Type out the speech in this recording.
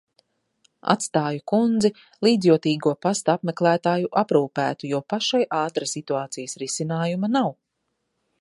Atstāju kundzi līdzjūtīgo pasta apmeklētāju aprūpētu, jo pašai ātra situācijas risinājuma nav.